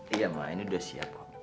iya mak ini udah siap mak